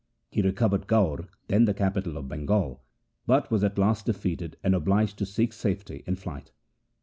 He recovered Gaur, then the capital of Bengal, but was at last defeated and obliged to seek safety in flight.